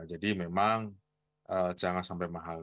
jadi memang jangan sampai mahal